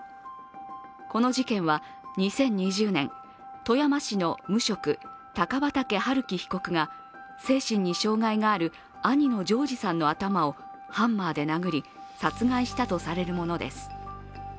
この事件は２０２０年富山市の無職、高畠春樹被告が精神に障害がある兄の丈治さんの頭をハンマーで殴り殺害したとされるものです。